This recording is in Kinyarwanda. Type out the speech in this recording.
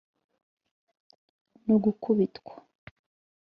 no gukubitwa